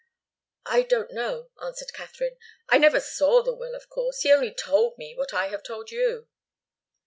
"I don't know," answered Katharine. "I never saw the will, of course. He only told me what I have told you."